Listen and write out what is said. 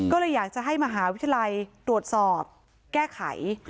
ก็เลยอยากจะให้มหาวิทยาลัยตรวจสอบแก้ไข